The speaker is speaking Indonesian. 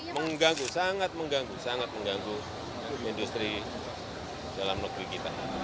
mengganggu sangat mengganggu sangat mengganggu industri dalam negeri kita